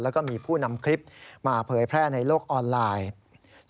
แล้วก็มีผู้นำคลิปมาเผยแพร่ในโลกออนไลน์